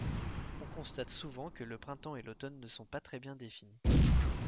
On constate souvent que le printemps et l'automne ne sont pas très bien définis.